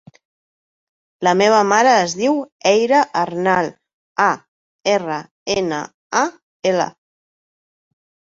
La meva mare es diu Eira Arnal: a, erra, ena, a, ela.